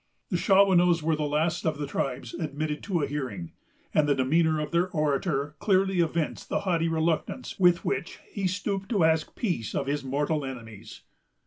The Shawanoes were the last of the tribes admitted to a hearing; and the demeanor of their orator clearly evinced the haughty reluctance with which he stooped to ask peace of his mortal enemies.